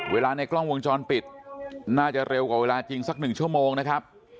ในกล้องวงจรปิดน่าจะเร็วกว่าเวลาจริงสัก๑ชั่วโมงนะครับ